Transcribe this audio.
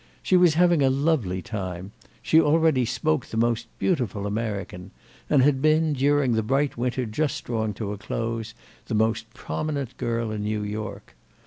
She was having a lovely time—she already spoke the most beautiful American—and had been, during the bright winter just drawing to a close, the most prominent girl in New York.